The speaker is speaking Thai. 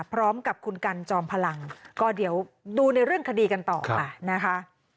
พร้อมกับคุณกันจอมพลังก็เดี๋ยวดูในเรื่องคดีกันต่อค่ะนะคะ